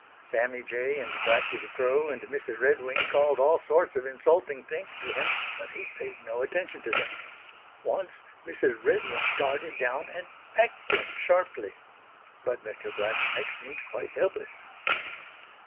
Sammy Jay and Blacky the Crow and Mrs. Redwing called all sorts of insulting things to him, but he paid no attention to them. Once Mrs. Redwing darted down and pecked him sharply. But Mr. Blacksnake seemed quite helpless.